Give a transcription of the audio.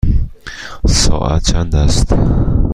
ساعت چند است؟